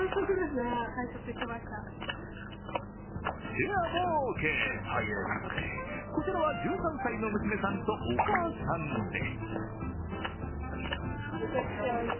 シェアもオーケーということで、こちらは１３歳の娘さんとお母さんで。